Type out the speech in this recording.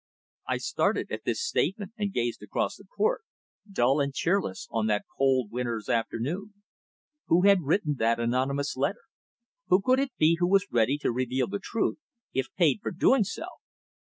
I started at this statement, and gazed across the court dull and cheerless on that cold winter's afternoon. Who had written that anonymous letter? Who could it be who was ready to reveal the truth if paid for doing so?